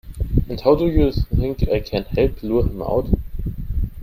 And how do you think I can help lure him out?